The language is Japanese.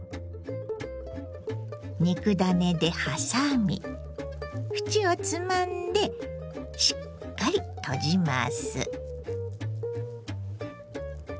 肉ダネで挟み縁をつまんでしっかり閉じます。